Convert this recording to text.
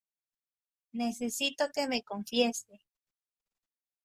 necesito que me confiese.